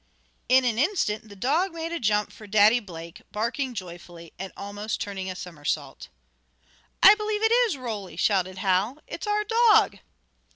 In an instant the dog made a jump for Daddy Blake, barking joyfully, and almost turning a somersault. "I believe it is Roly!" shouted Hal. "It's our dog!"